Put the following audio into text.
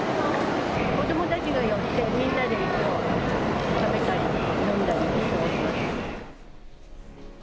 子どもたちが寄って、みんなで食べたり飲んだり過ごします。